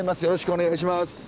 よろしくお願いします。